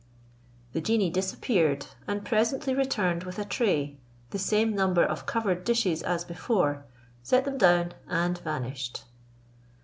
The genie disappeared, and presently returned with a tray, the same number of covered dishes as before, set them down, and vanished.